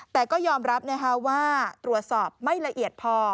แต่ก็ยอมรับว่าตรวจสอบไม่ละเอียดพอ